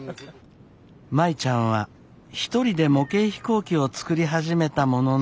舞ちゃんは１人で模型飛行機を作り始めたものの。